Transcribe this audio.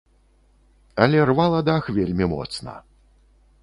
Але рвала дах вельмі моцна.